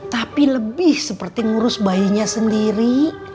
tapi lebih seperti ngurus bayinya sendiri